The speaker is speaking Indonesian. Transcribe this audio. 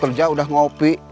belum kerja udah ngopi